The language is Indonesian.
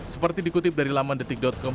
seperti dikutip dari laman detik com